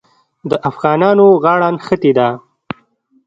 د افغانانو غاړه نښتې ده.